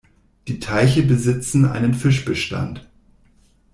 Die Teiche besitzen einen Fischbestand.